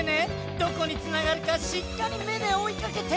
どこにつながるかしっかりめでおいかけて。